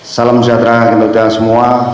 salam sejahtera kepada semua